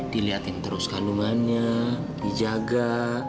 diliatin terus kandungannya dijaga